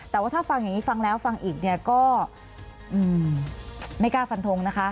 แต่ว่าถ้าฟังอย่างนี้ฟังแล้วฟังอีกเนี่ยก็ไม่กล้าฟันทงนะคะ